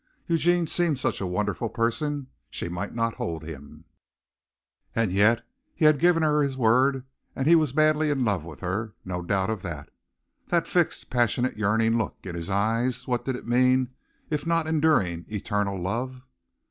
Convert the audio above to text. Eugene seemed such a wonderful person, she might not hold him; and yet he had given her his word and he was madly in love with her no doubt of that. That fixed, passionate, yearning look in his eyes what did it mean if not enduring, eternal love?